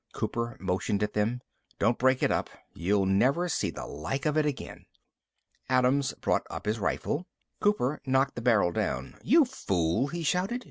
Cooper motioned at them. "Don't break it up. You'll never see the like of it again." Adams brought his rifle up. Cooper knocked the barrel down. "You fool!" he shouted.